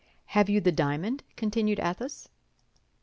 Have you the diamond?" continued Athos.